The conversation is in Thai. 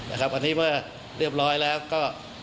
วันนี้เมื่อเรียบร้อยแล้วก็